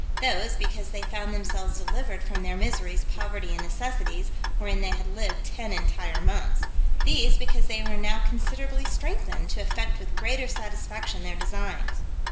Those, because they found themselves delivered from their miseries, poverty, and necessities, wherein they had lived ten entire months. These, because they were now considerably strengthened, to effect with greater satisfaction their designs.